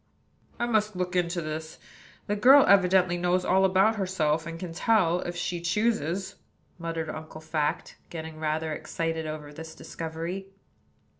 "I must look into this. The girl evidently knows all about herself, and can tell, if she chooses," muttered Uncle Fact, getting rather excited over this discovery.